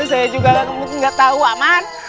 saya juga nggak tahu aman